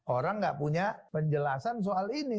orang nggak punya penjelasan soal ini